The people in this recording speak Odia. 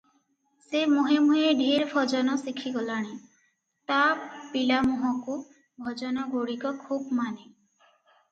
ସେ ମୁହେଁ ମୁହେଁ ଢେର ଭଜନ ଶିଖିଗଲାଣି, ତା ପିଲା ମୁହଁକୁ ଭଜନଗୁଡ଼ିକ ଖୁବ୍ ମାନେ।